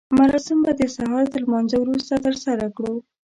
مراسم به د سهار تر لمانځه وروسته ترسره کړو.